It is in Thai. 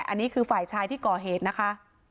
อันนี้คือฝ่ายชายที่ก่อเหตุนะคะ